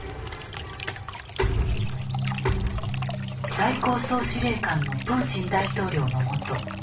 最高総司令官のプーチン大統領のもとショイグ国防相